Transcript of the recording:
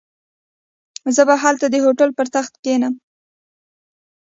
زه به هلته د هوټل پر تخت کښېنم.